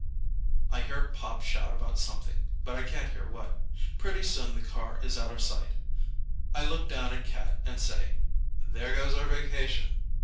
I hear Pop shout about something, but I can't hear what. Pretty soon the car is out of sight. I look down at Cat and say, "There goes our vacation."